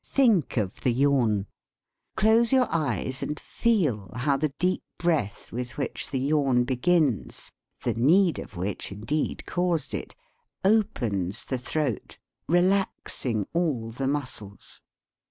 Think of the yawn. Close your eyes and feel how the deep breath with which the yawn begins (the need of which, indeed, caused it) opens the throat, relaxing all the muscles.